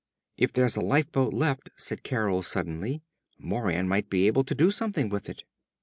"If there's a lifeboat left," said Carol suddenly, "Moran might be able to do something with it."